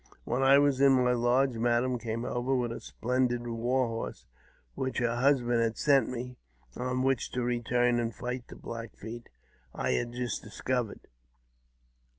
While I was in my lodge, madam came over with a splendid war horse, which her husband had sent me, on which to return and fight the Black Feet I had just discovered.